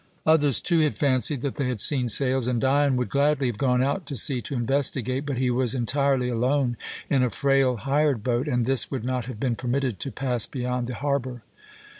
Others, too, had fancied that they had seen sails, and Dion would gladly have gone out to sea to investigate, but he was entirely alone in a frail hired boat, and this would not have been permitted to pass beyond the harbour.